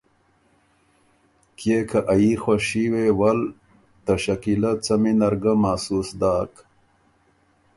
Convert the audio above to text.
کيې که ا يي خوشي وې ول ته شکیلۀ څمی نر ګه محسوس داک۔